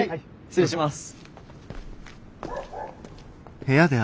失礼します。